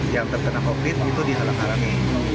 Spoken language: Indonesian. yang terkena covid itu dihalang halangi